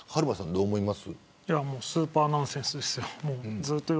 そう思います。